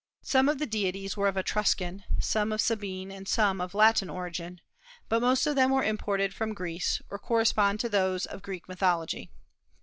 Some of the deities were of Etruscan, some of Sabine, and some of Latin origin; but most of them were imported from Greece or corresponded with those of the Greek mythology.